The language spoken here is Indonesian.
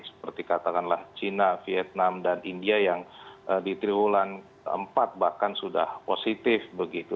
seperti katakanlah china vietnam dan india yang di triwulan empat bahkan sudah positif begitu